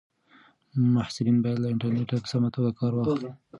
محصلین باید له انټرنیټه په سمه توګه کار واخلي.